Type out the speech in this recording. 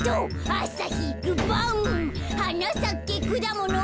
「はなさけくだもの」